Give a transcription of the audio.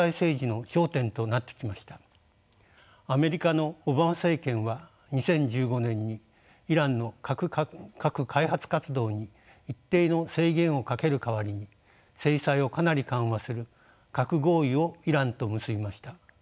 アメリカのオバマ政権は２０１５年にイランの核開発活動に一定の制限をかける代わりに制裁をかなり緩和する核合意をイランと結びました。